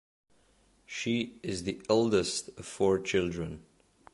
She is the eldest of four children.